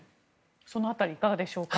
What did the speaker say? その辺りいかがでしょうか。